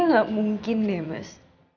gak mungkin deh mas